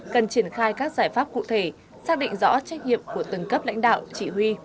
cần triển khai các giải pháp cụ thể xác định rõ trách nhiệm của từng cấp lãnh đạo chỉ huy